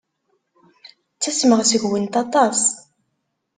Ttasmeɣ seg-went aṭas.